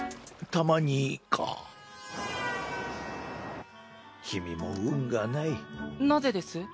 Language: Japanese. たまに君も運がないなぜです？